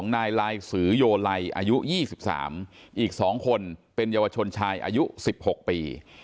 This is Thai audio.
นายลายสือโยไลอายุ๒๓อีก๒คนเป็นเยาวชนชายอายุ๑๖ปี